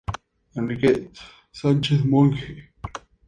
Enrique Sánchez-Monge.